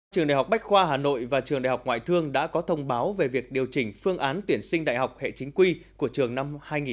trường đại học bách khoa hà nội và trường đại học ngoại thương đã có thông báo về việc điều chỉnh phương án tuyển sinh đại học hệ chính quy của trường năm hai nghìn hai mươi